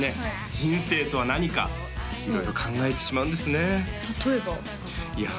人生とは何か色々考えてしまうんですね例えば？